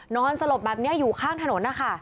สลบแบบนี้อยู่ข้างถนนนะคะ